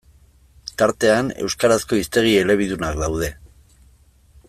Tartean, euskarazko hiztegi elebidunak daude.